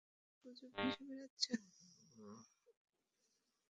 চারপাশে অনেক গুজব ভেসে বেড়াচ্ছে।